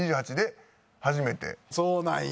そうなんや。